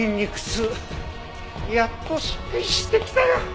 やっと出勤してきたよ！